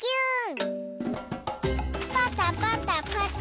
パタパタパタ。